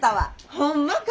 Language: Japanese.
ホンマか。